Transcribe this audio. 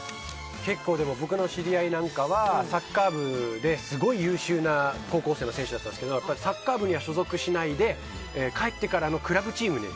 結構僕の知り合いなんかはサッカー部ですごい優秀な高校生の選手だったんですけどやっぱりサッカー部には所属しないで帰ってからクラブチームで。